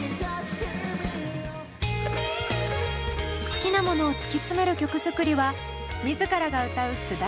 好きなものを突き詰める曲作りは自らが歌う須田景凪